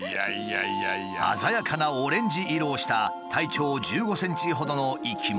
鮮やかなオレンジ色をした体長１５ｃｍほどの生き物。